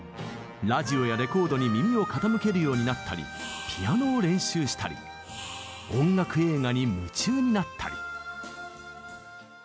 ラジオやレコードに耳を傾けるようになったりピアノを練習したり音楽映画に夢中になったり。